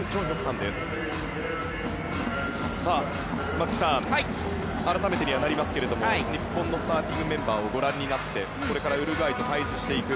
松木さん、改めてにはなりますが日本のスターティングメンバーをご覧になってこれからウルグアイと対峙していく。